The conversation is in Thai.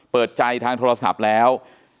เปิดใจทางโทรศัพท์แล้ว